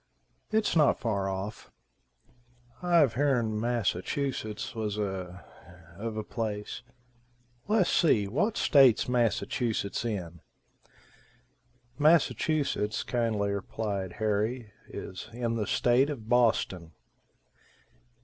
"It's not far off." "I've heern Massachusetts was a of a place. Les, see, what state's Massachusetts in?" "Massachusetts," kindly replied Harry, "is in the state of Boston."